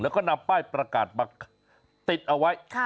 แล้วก็นำป้ายประกาศมาติดเอาไว้